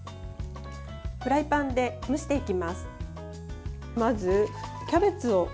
フライパンで蒸していきます。